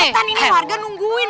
cepetan ini warga nungguin